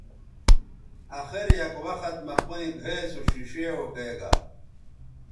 اخر یک وخت مہ پئیں گھئے سو ݜیݜے اوکیگا